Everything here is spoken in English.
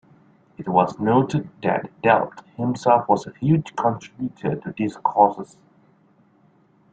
It was noted that Delp himself was a huge contributor to these causes.